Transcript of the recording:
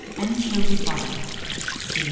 ANCHOVY BUTTER (see No.